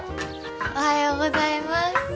おはようございます。